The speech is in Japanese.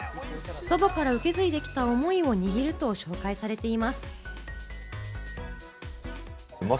祖母から受け継いできた思いを握ると紹介されています。